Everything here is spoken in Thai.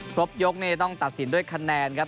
ครบยกนี่ต้องตัดสินด้วยคะแนนครับ